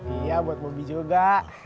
iya buat bobby juga